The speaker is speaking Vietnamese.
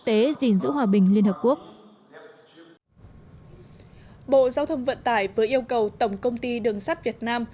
tế gìn giữ hòa bình liên hợp quốc bộ giao thông vận tải vừa yêu cầu tổng công ty đường sắt việt nam